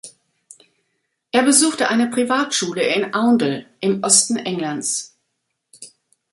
Er besuchte eine Privatschule in Oundle im Osten Englands.